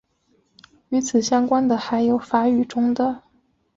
与此相关的还有法语中的。